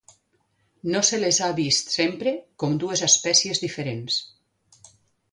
No se les ha vist sempre com dues espècies diferents.